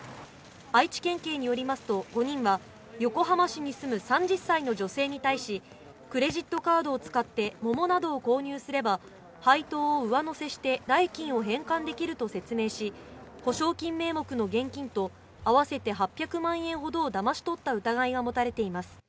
愛知県警によりますと５人は横浜市に住む３０歳の女性に対し、クレジットカードを使って桃などを購入すれば配当を上乗せして代金を返還できると説明し、保証金名目の現金と合わせて８００万円ほどをだまし取った疑いが持たれています。